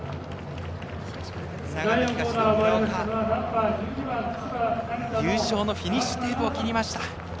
長野東の村岡優勝のフィニッシュテープを切りました。